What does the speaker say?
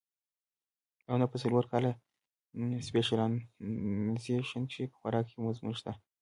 او نۀ پۀ څلور کاله سپېشلائزېشن کښې پۀ خوراک يو مضمون شته